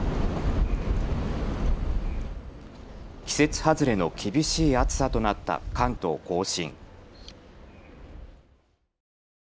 季節外れの厳しい暑さとなった関東甲信。